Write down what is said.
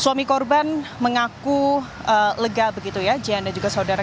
suami korban mengaku lega begitu ya jn dan juga saudara